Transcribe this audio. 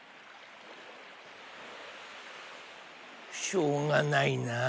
しょうがないな。